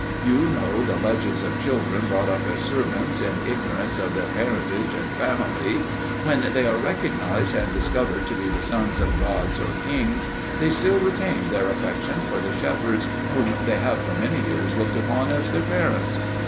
You know the legends of children brought up as servants in ignorance of their parentage and family. When they are recognized and discovered to be the sons of gods or kings, they still retain their affection for the shepherds whom they have for many years looked upon as their parents.